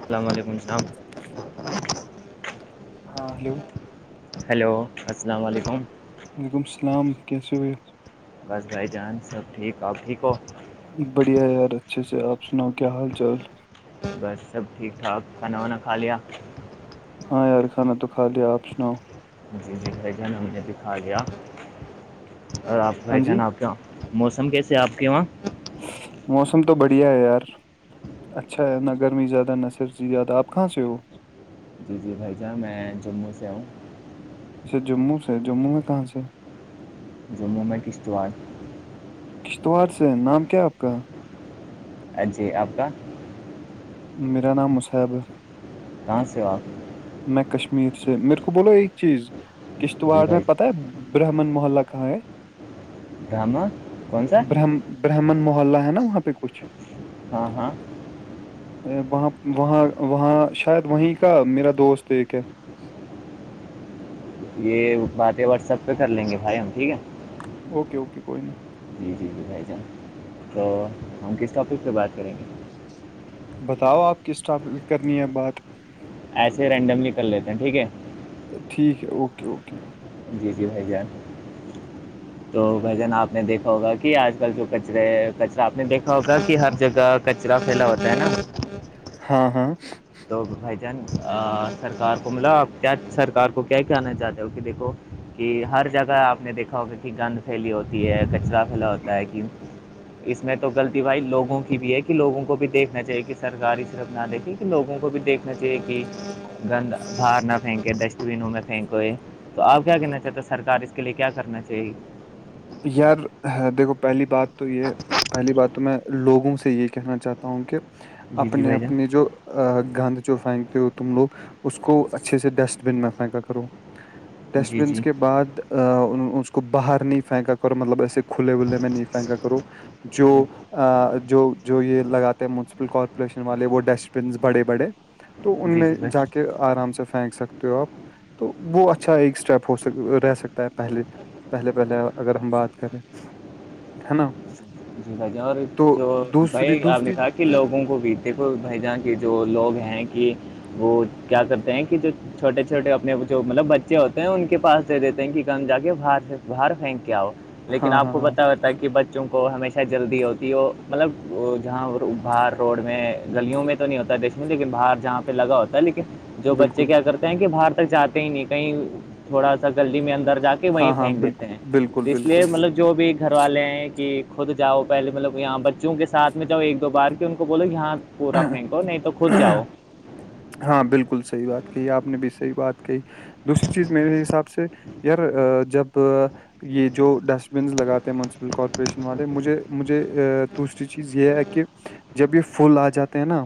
السلام علیکم السلام ہاں ہلو ہیلو السلام علیکم وعلیکم السلام کیی بس بھائی جان سب ٹھیک آپ ٹھیک ہو بڑھیا یار اچھے سے آپ سناؤ کیا حال چال بس سب ٹھیک ٹھاک کھانا وانا کھا لیا ہاں یار کانا تو کا لیا آپ سناؤ جی جی ہے مجھے دکھا گیا اور آپ ہاں جی پہچانا آپ کے وہاں موسم کیسے ہے آپ کے وہاں موسم تو بڑھیا ہے یار اچھا نہ گرمی زیادہ نہ سرزی زیادہ آپ کہاں سے ہو جی جی بھائی جان میں جموں سے آؤوں اچھا جموں سے جموں میں کہاں سے جموں میں کشتوا کشتوڑ سے نام کیا آپ کا جی آپ کا میرا نام مصیب ہے کہاں سے آپ میں کشمیر سے میرے کو بولو ایک چیز جی کشتواڑ میں بھائی پتہ ہے برہمن محللہ کہاں ہیں ہے گاما کون سا برہم برہمن محلہ ہے نا وہاں پہ کچھ ہاں ہاں وہاں وہاں وہاں شاید وہیں کا میرا دوست ایک ہے یہ باتیں واٹسپ پہ کر لیں گے بھائی ہم ٹھیک ہے اوکے اوکے کوئی نہیں جی جی جی بھائی جان تو ہم کس ٹاپک پہ بات کریں گے بتاؤ آپ کس ٹاپ کرنی ہے بات ایسے رینڈملی کر لیتے ہیں ٹھیک ہے ٹھیک ہے اوکے اوکے جی جی جان تو بھجن آپ نے دیکھا ہوگا کہ آج کل جو کچرے کچرا آپ نے دیکھا ہوگا کہ ہر جگہ کچرا پھیلا ہوتا ہے نا ہاں ہاں تو بھائی جان سرکار کو ملا آپ کیا سرکار کو کیا کہنا چاہتے ہو کہ دیکھو کہ ہر جگہ آپ نے دیکھا ہوگا کہ گند پھیلی ہوتی ہے کچرا پھیلا ہوتا ہے کہ اس میں تو غلطی بھائی لوگوں کی بھی ہے کہ لوگوں کو بھی دیکھنا چاہیے کہ سرکاری طرف نہ دیکھی لوگوں کو بھی دیکھنا چاہیے کہ گند بار نہ پھینکے ڈسٹ بینوں میں پھینکئے تو آپ کیا کہنا چاہتے سرکار اس کے لیے کیا کرنا چاہیے یار دیکھو پہلی بات تو یہ پہلی بات تو میں لوگوں سے یہ کہنا چاہتا ہوں کہ جی جی اپنے بھائی جان اپنے جو گند جو پھینکتے ہو تم لوگ اس کو اچھے سے ڈسٹ بن میں پھینکا کرو ڈسٹ جی بنس جی کے بعد اس کو باہر نہیں پھینکا کرو مطلب ایسے کھلے ولے میں نہیں پھینکا کرو جو جی جو جو یہ لگاتے ہے منسپل کارپوریشن والے وہ ڈسٹ بنس بڑے بڑے تو ان جی میں بھائی جا کے آرام سے پھینک سکتے ہو آپ تو وہ اچھا ایک اسٹیپ ہوک رہ سکتا ہے پہلے پہلے پہلے اگر ہم بات کریں ہے نا جی بھائی جی اور تو جو دوسری بھائی آپ نے دوسری کہا کہ لوگوں کو بھی دیکھو بھائی جاں کے جو لوگ ہیں کہ وہ کیا کرتے ہیں کہ جو چھوٹے چھوٹے اپنے جو مطلب بچے ہوتے ہیں ان کے پاس دے دیتے ہیں کہ کم جا کے باہر سے باہر پھینک کے آؤ لیکن ہاں آپ ہاں کو ہاں بتا ہو تھا کہ بچوں کو ہمیں جلدی ہوتی وہ مطلب جہاں باہار روڈ میں گلیوں میں تو تو نہیں ہوتا ہے دیش میں لیکن باہر جہاں پہ لگا ہوتا ہے لیکن جو بچے بالکل کیا کرتے ہیں کہ باہر تک جاتے ہی نہیں کہیں تھوڑا سا گلی میں اندر جا کے وہیں ہاں ہاں پھینک دیتے ہیں بالکل بالکل تو اس بالکل لیے مطلب جو بھی گھر والے ہیں کہ خود جاؤ پہلے مطلب یہاں بچوں کے ساتھ میں جاؤ ایک دو بار کے ان کو بولو یہاں پورا پھینکو نہیں تو خود جاؤ ہاں بالکل صحیح بات کہی آپ نے بھی صحیح بات کہی دوسری چیز میرے حساب سے یار جب یہ جو ڈسٹ بنس لگاتے ہیں مونسپل کارپوریشن والے مجھے مجھے دوسری چیز یہ ہے کہ جب یہ پھول آ جاتے ہیں نا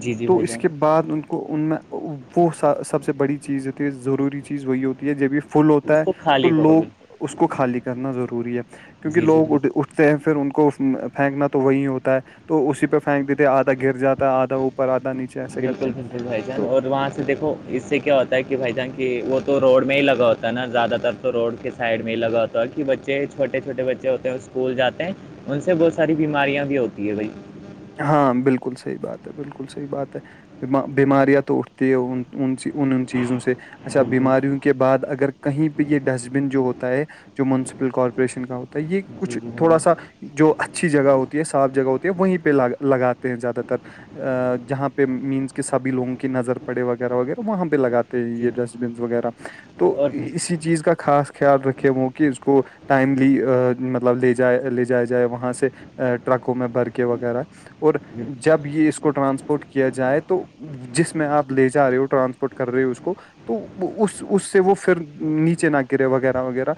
جی جی تو بھائی اس جان کے بعد ان کو ان میں وہ سب سے بڑی چیز ہوتی ہے ضروری چیز وہی ہوتی ہے جبھی فل ہوتا اس ہے کو تو خالی کرو لوگ بالکل اس کو خالی کرنا ضروری ہے کیونکہ جی جی لوگ بھائی ا اس سے پھر ان کو پھینکنا تو وہی ہوتا ہے تو اسی پہ پھینک دیتے آھا گر جاتا آدھا اوپر آھا نیچے ایسے کر کے بالکل بالکل بھ تو اور وہاں سے دیکھو اس سے کیا ہوتا ہے کہ بھائی جان کی وہ تو روڈ میں ہی لگا ہوتا ہے نا زیادہ تر تو روڈ کے سائڈ میں یہ لگا ہوتا ہے کہ بچے چھوٹے چھوٹے بچے ہوتے ہیں اسکول جاتے ہیں ان سے بہت ساری بیماریاں بھی ہوتی ہے بھائی ہاں بالکل صحیح بات ہے بالکل صحیح بات ہے بیماریاں تو اٹھتی ہے ان چیزوں سے اچھا بالکل بیماریوں کے بعد اگر کہیں پہ یہ ڈسٹ بن جو ہوتا ہے جو منسپل کارپوریشن کا ہوتا ہے یہ جی کچھ جی بھائی تھوڑا سا جو اچھی جگہ ہوتی ہے صاف جگہ ہوتی ہے وہیں پہ لگاتے ہیں زیادہ تر جہاں پہ مینس کے سبھی لوگوں کی نظر پڑے وغیرہ وغیرہ وہاں پہ لگاتے یہ جان. ڈسٹ جی بنس وغیرہ تو اور بھائی اسی چیز کا خاص خیال رکھے وہ کہ اس کو ٹائملی مطلب لے جائے لے جایا جائے وہاں سے ٹرکوں میں بھر کے وقت یر اور جب یہ اس کو ٹرانسپورٹ کیا جائے تو جس میں آپ لے جا رہے ہو ٹرانسپورٹ کر رہے ہو اس کو تو اس اس سے وہ پھر نیچے نہ گرے وغیرہ وغیرہ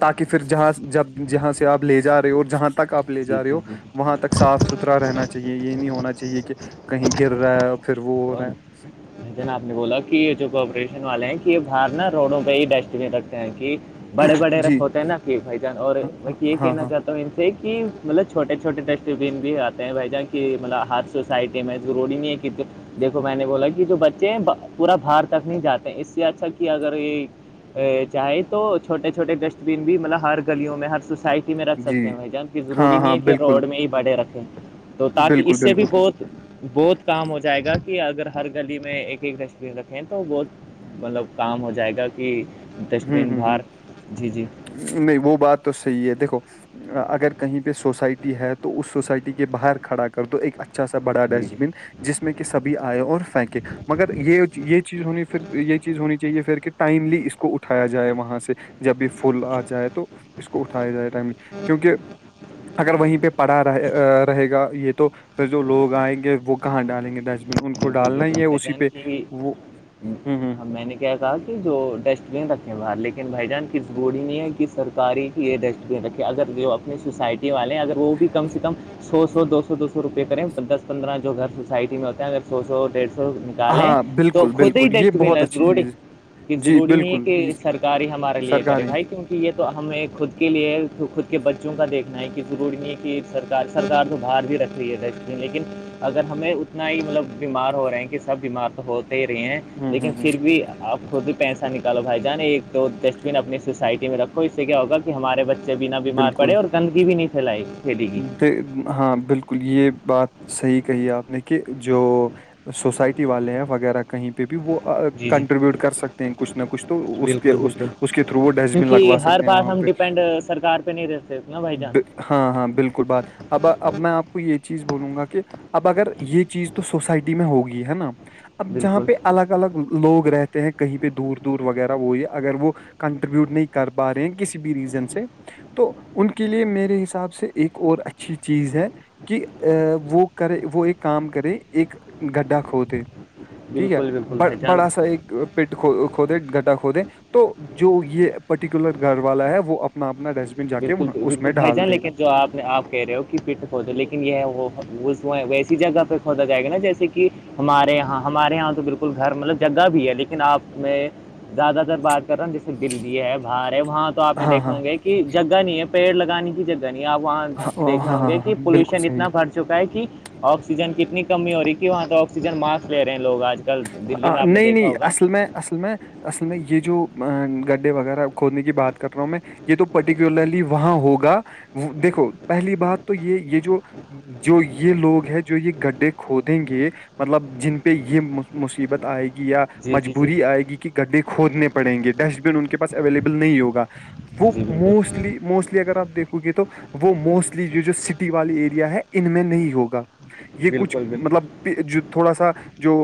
تاکہ پھر جہاں جب جہاں سے آپ لے جا رہے ہو اور جہاں تک آپ لے جی جا رہے جی ہو جی وہاں تک صاف ستھرا رہنا چاہیے یہ نہیں ہونا چاہیے کہ کہیں گر رہا ہے پھر وہ ہو رہا ہے ج ن آپ نے بولا کہ یہ جو کپریشن والے ہیں کہ یہ باہر نا روڈوں پہ ہی ڈسٹ بین رکھتے ہیں کہ بڑے بڑے جی رکھ ہوتے ہیں نا کہ بھائی جان اور یہ ہاں کہنا ہاں چاہتا تو ان سے کی مطلب چھوٹے چھوٹے ڈسٹبین بھی آتے ہیں بھ جان کی مطلب ہاتھ سے سائٹیم ضوری نہیں ہے دیکو میں نے بولا کہ جو بچے پورا بھارت تک نہیں جاتے اس سے اچھا کہ اگر یہ چاہے تو چھوٹے چھوٹے ڈسٹ بین بھی مطلب ہر گلیوں میں ہر سوسائٹی میں رکھ جی سکتے ہیں جان کہ ہاں ضروری نہیں ہاں ہے کہ بالکل روڈ میں ہی بڑے رکھیں تو تاکہ بالکل اس سے بھی بالکل بہت بہت کام ہو جائے گا کہ اگر ہر گلی میں میں ایک ایک تشویر رکھے تو بہت مطلب کام ہو جائے گا کہ ہوں ڈسٹبین ہوں ہ بار جی جی نہیں وہ بات تو صحیح ہے دیکھو اگر کہیں پہ سوسائٹی ہے تو اس سوسائٹی کے باہر کھڑا کر تو ایک اچھا سا بڑا جی ڈسٹ جی بن جس میں کہ سبھی آئے اور پھینکے مگر یہ یہ چیز ہونی پھر یہ چیز ہونی چاہیے پھر کہ ٹائملی اس کو اٹھ اٹھایا جائے وہاں سے جب بھی پھول آ جائے تو اس کو اٹھایا جائے ٹائملی کیونکہ اگر وہیں پہ پڑا رہے رہے گا یہ تو پھر جو لوگ آئ گے وہ کہاں ڈالیں گے ڈسٹ بین ان کو بالکل ڈالنا ہی بالکل ہے بھائی اسی جان پہ وہ ہوں ہوں میں نے کیا کہا کہ جو ڈسٹ بین رکھے باہر بھائی جان کس گوڑی نہیں ہے کہ سرکاری کی یہ ڈسٹ بین رکھے اگر جو اپنی سوسائٹی والے اگر وہ بھی کم سے کم سو سو دو سو دو سو روپئے کریں دس پندرہ جو گھر سوسائٹی میں ہوتا ہے اگر سو سو ڈیڑھ سو کالیں ہاں تو بالکل خود ہی بالکل یہ ڈسٹ بین بہت ہے اچھی ضروڑی چیز کہ جی ضروری نہیں ہے بالکل یہ کہ سرک ہی ہمارے لیے کرے سرکاری بھائی کیوں یہ تو ہمیں خود کے لیے خود کے بچوں کا دیکھنا ہے کہ ضروری نہیں ہے کہ سرکار سرار تو باہار بھی رکھ رہی ہے دش لیکن اگر ہمیں اتنا ہی مطلب بیمار ہو رہے ہیں کہ بیمار تو ہوتے ہی رہے ہیں ہوں لیکن ہوں ہ پھر بھی آپ خود ہی پیسہ نکالو بھائی جان ایک دو ڈسٹ بن اپنی سوسائٹی میں رکھو اس سے کیا ہوگ ہمارے بچے بنا بیمار بالکل پڑے اور گندگی بھی نہیں پھیلائی ہاں بالکل یہ بات صحی کہی آپ نے کہ جو سوسائٹی والے ہیں وغیرہ کہیں پہ بھی وہ جی جی کنٹریبیوٹ کر سکتے ہیں کچھ نہ کچھ تو اس کے بالکل اس کے تھرو وہ ڈسٹبن لگوا سکتے ہیں بس وہاں پہ ہم ڈیپینڈ سرار پہ نہیں رہتےنا بھائی جان ب- ہاں ہاں بالکل بات اب اب میں آپ کو یہ چیز بولوں گا کہ اب اگر یہ چیز تو سوسائٹی میں ہوگی ہے نا اب جہاں بالکل پہ الگ الگ لوگ رہتے ہیں کہیں پہ دور دور وغیرہ وہ یہ اگر وہ کنٹریبیوٹ نہیں کر پا رہے ہیں کسی بھی ریزن سے تو ان کے لیے میرے حساب سے ایک اور اچھی چیز ہے کہ وہ کرے وہ ایک کام کرے ایک گڈھا کھو د ٹھیک ہے بالکل بالکل ب بھائی جان بڑا سا ایک پیٹ کھودے گڈا کھودے تو جو یہ پرٹیکولر گھر والا ہے وہ اپنا اپنا ڈیس بالکل وپل بھائی جان لیکن جو آپ نے آپ کہہ رہے ہو فٹ کھود لیکن یہ ہے وہ ویسی جگہ پہ کھودا جائے گا نا جیسے کہ ہمارے یہاں ہمارے یہاں تو بالکل گھر مطلب جگہ بھی ہے لیکن آپ میں زیادہ تر بات کر رہا ہوں جیسے دی ہے باہر ہے وہاں تو آپ نے ہاں دیکھے ہاں ہوں گے کہ جگہ نہیں ہے پیڑ لگانے کی جگہ نہیں ہے آپ وہاں ہاں دیک رہے ہاں ہوں گے ہاں ہاں کہ بالکل پولوشن صحیح اتنا بھر چکا ہے کہ آکسیجن کی کتنی کمی ہو رہی ہے کہ وہاں تو آکسیجن ماسک لے رہے ہیں لوگ آج کل دلی میں آپ نے نہیں دیکھا نہیں ہوگا اصل میں اصل میں اصل میں یہ جو گڈھے وغیرہ کھودنے کی بات کر رہا ہوں میں یہ تو پرٹیکولرلی وہاں ہوگا وہ دیکھو پہلی بات تو یہ یہ جو جو یہ لوگ ہے جو یہ گڈھے کھودیں گے مطلب جن پہ یہ مصیبت آئے گی یا جی جی جی مجبوری آئے گی کہ گڈھے کھودنے پڑیں گے ڈسٹ بن ان کے پاس اویلیبل نہیں ہوگا وہ جی بالکل موسٹلی موسٹلی اگر آپ دیکھو گے تو وہ موسٹلی یہ جو سٹی والی ایریا ہے ان میں نہیں ہوگا یہ کچھ بالکل بالکل مطلب جو تھوڑا سا جو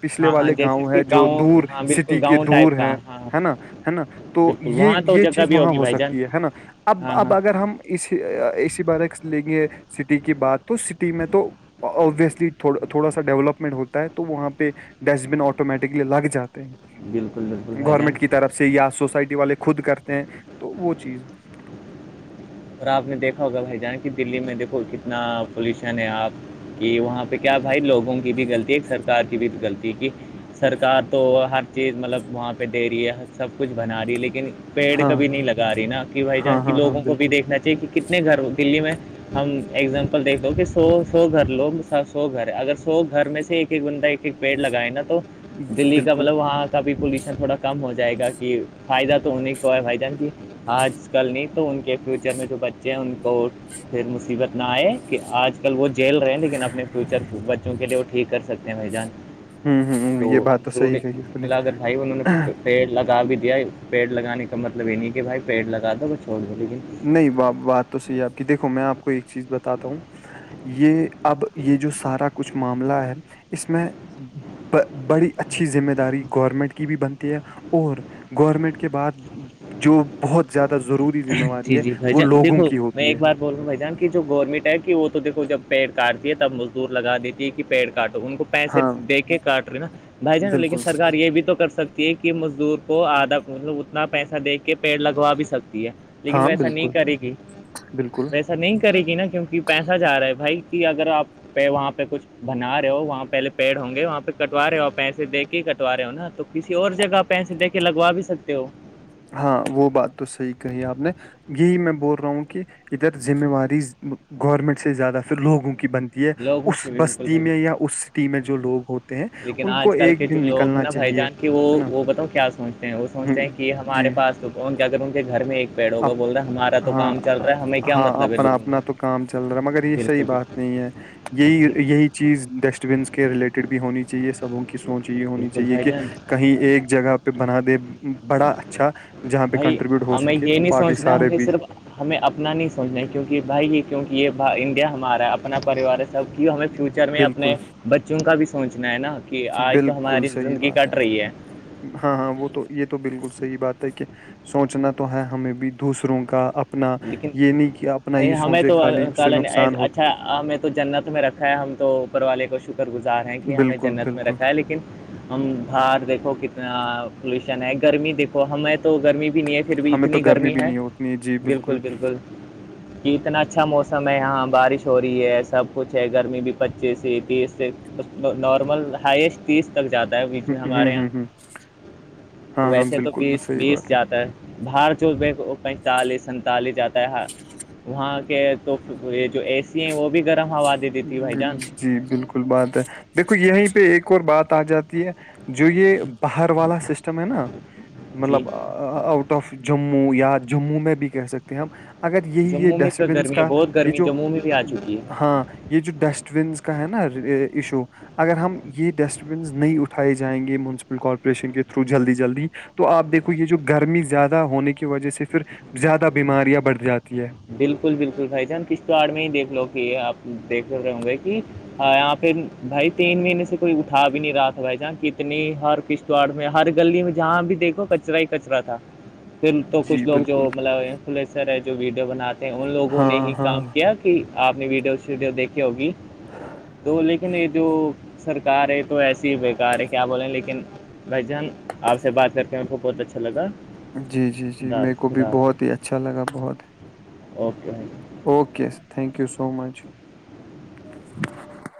پچھلے ہاں ہاں والے جیسے گاؤں کہ ہے جو گاؤں دور ہاں بالکل سٹی کے گاؤں دور ٹائپ کا ہے ہاں ہے نا ہے نا تو بالکل یہ وہاں تو یہ جگہ چیز بھی وہاں ہوگی ہو بھائی جان سکتی ہے نا اب ہاں اب ہاں اگر ہم اسی اسی بارک لیں گے سٹی کی بات تو سٹی میں تو ابویسلی تھوڑا سا ڈیولپمنٹ ہوتا ہے تو وہاں پہ ڈسٹ بن آٹومیٹکلی لگ جاتے بالکل بالکل ہیں بھائی جان گورنمنٹ کی طرف سے یا سوسائٹی والے خود کرتے ہیں تو وہ چیز اور آپ نے دیکھا ہوگا بھائی جان کی دلی میں دیکھو کتنا پلیوشن ہے آپ کہ وہاں پہ کیا بھائی لوگوں کی بھی غلطی ہے ایک سرکار کی بھی غلطی ہے کہ سرکار تو ہر چیز مطلب وہاں پہ دے رہی ہے سب کچھ بنا رہی ہے لیکن پیڑ ہاں کبھی ہاں نہیں لگا رہی نا کہ بھائی جان ہاں کی ہاں ہاں لوگوں کو بھی بالکل دیکھنا چاہیے کہ کتنے گھر دلی میں ہم اگزامپل دیکھ دو کہ سو سو گھر لوگ سو گھر ہے اگر سو گھر میں سے ایک ایک بندہ ایک ایک پیڑ لگائے نا تو دلی کا بالکل مطلب وہاں تبھی پولوشن تھوڑا کم ہو جائے گا کہ فائدہ تو انہیں کو ہے بھائی جان کی آج کل نہیں تو ان کے میں جو بچے ہیں ان کو پھر مصیبت نہ آئے کہ آج کل وہ جیل رہے ہیں لیکن اپنے فیوچر بچوں کے لیے وہ ٹھیک کر سکتے ہیں بھ جان ہوں ہوں تو یہ بات ضرور صحیح کہی آپ نے مطلا اگر بھائی انہوں نے پیڑ لگا بھی دیا پیڑ لگانے کا مطلب یہ نہیں کہ بھائی پیڑ لگا دو وہ چھوڑ دو لیکن نہیں بات تو صحیح آپ کی دیکھو میں آپ کو ایک چیز بتاتا ہوں یہ اب یہ جو سارا کچھ معاملہ ہے اس میں بڑی اچھی ذمہ داری گورنمنٹ کی بھی بنتی ہے اور گورنمنٹ کے بعد جو بہت زیادہ ضروری ذمہ واری ہے جی بھائی وہ جن لوگوں دیکھو کی میں ہوتی ایک ہے بار بول رہ ہوں بھائی جان کی جو گورنمنٹ ہے کہ وہ تو دیکو جب پیڑ کاٹتی ہے تب مزدور لگ دیتی ہے کہ پیڑ کا کاٹو ان کو پیسے ہاں دے کے کاٹ رہی نا بھائی جانا لیکن بالکل سرار یہ بھی تو کر سکتی کہ مزدور کو آدھا مطب اتنا پیسہ دے کے پیڑ لگوا بھی سکتی ہے لیکن ہاں ویسا نہیں بالکل کرے گی بالکل ویسے ا نہیں کرے گی نا کیونکہ پیسہ جا رہا ہے بھائی کہ اگر آپ پہ وہاں پہ کچھ بنا رہے ہو وہاں پہلے پیڑ ہوں گے وہاں پہ کٹوا رہے ہو آپ پیسے دے کے ہی کٹوا رہے ہو نا تو کسی اور جگہ پیسے دے کے لگوا بھی سکتے ہو ہاں وہ بات تو صحیح کہی آپ نے یہی میں بول رہا ہوں کہ ادھر ذمہ واری گورنمنٹ سے زیادہ پھر لوگوں کی بنتی لوگوں اس کی بالکل بستی بھائی میں یا اس سٹی میں جو لوگ ہوتے ہیں ان کو ایک دن نکلنا چاہیے کہ وہ ہے نا وہ بتاؤ کیا سوچتے ہیں وہ سوچتے ہیں ہم، کہ ہمارے جی پاس تو کون کہ اگر ان کے گھر میں ایک پیڑ ہوگا بول رہے ہیں ہمارا تو ہاں کام چل رہا ہے ہمیں کیا ہاں مطلب ہے اپنا لوگوں اپنا تو کا کام چل رہا ہے مگر یہ صحیح بالکل بات بالکل نہیں ہے یہی یہی چیز ڈسٹ بین کے ریلیٹڈ بھی ہونی چاہیے سبوں کے سوچ یہ ہونی بالکل چاہیے بھائی کہ جان کہیں ایک جگہ پہ بنا دے بڑا اچھاہاں پہ بھائی کنٹریبیوٹ ہو ہمیں سکے یہ تو نہیں باقی سوچنا سارے ہمیں بھی صرف ہمیں اپنا نہیں سوچنا ہے کیونکہ بھائی یہ کیونکہ یہ انڈیا ہمارا ہے اپنا اپنا پریوار سب کی ہمیں فیوچر میں بالکل اپنے بچوں کا بھی سوچنا ہے نا کہ آج تو بالکل ہماری صحیح زندگی بات کٹ رہی ہے ہاں ہاں وہ تو یہ تو بالکل صحیح بات ہے کہ سوچنا تو ہے ہمیں بھی دوسروں کا اپنا لیکن یہ نہیں کہ اپنا بھائی یہ ہمیں سوچے تو خالی اللہ اس سے تعالی نے ایز- نقصان ہو اچھا ہمیں تو جنت میں رکھا ہے ہم تو اوپر والے کو شکر گزار ہیں کہ ہمیں بالکل جنت میں بالکل رکھا ہے لیکن ہم باہر دیکھو کتنا پولوشن ہے گرمی دیکھو ہمیں تو گرمی بھی نہیں ہے پھر بھی ہمیں تو اتنی گرمی بھی ہے نہیں ہوتی ہے جی بالکل بالکل کہ اتنا اچھا موسم ہے یہاں بارش ہو رہی ہے سب کچھ ہے گرمی بھی پچیس سے تیس سے نارمل ہائسٹ تیس تک جاتا ہے بیچ ہ میں ہ ہمارے یہاں ہ تو ہاں ہاں ویسے تو بالکل بس بیس صحیح بیس بات جاتا ہے بھار پینتالیس سنتالی جاتا ہے وہاں کے تو یہ جو ایے وہ بھی گرم ہوا دیتی تھی بھائی جان جی بالکل بات ہے دیکھو یہیں پہ ایک اور بات آ جاتی ہے جو یہ پہاڑ والا سسٹم ہے نا جی مطلب آؤٹ آف جموں یا جموں میں بھی کہہ سکتے ہیں ہم اگر یہی یہ جموں میں تو ڈسٹبنس گرمی ہے کا بہت یہ گرمی جو جموں میں بھی آ چکی ہے ہاں یہ جو ڈسٹ بینس کا ہے نا ایشو اگر ہم یہ ڈسٹ بینس نہیں اٹھائے جائیں گے مونسپل کارپوریشن کے تھرو جلدی جلدی تو آپ دیکھو یہ جو گرمی زیادہ ہونے کی وجہ سے پھر زیادہ بیماریاں بڑھ جاتی ہے بالکل بالکل بھائی جان کشتواڑ میں ہی دیکھ لو کہ آپ دیکھ رہے ہوں گے کہ اں پھر بھائی تین مہینے سے کوئی اٹھا بھی نہیں رہا تھا بھائی جہاں کتنی ہر قس کشواڑ میں ہر گلی میں جہاں بھی دیکھو کچرا ہی کچرا تھا پھر تو جی کچھ لوگ جو بالکل مطلب انفلوئنسر ہے جو ویڈیو بناتے ہیں ان لوگوں نے ہاں ہی ہاں کام کیا آپ نے ویڈیو ویڈیو دیکھی ہوگی تو لیکن یہ جو سرکار ہے تو ایسی ہی بےکار ہے کیا بولے لیکن بھائی جان آپ سے بات کر کے م کو بہت اچھا لگا جی جی جی خدا میرے کو حافظ بھی خدا بہت حافظ ہی اچھا لگا بہت okay thank okay sir thank you so much